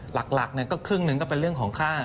หลักก็ครึ่งหนึ่งก็เป็นเรื่องของค่า